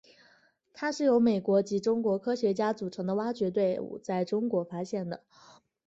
它是由美国及中国科学家组成的挖掘队伍在中国发现的。